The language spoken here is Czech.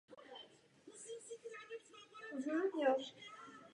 Na západním štítu jsou tři malé věžičky.